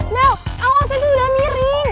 mel awasnya tuh udah miring